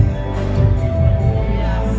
สโลแมคริปราบาล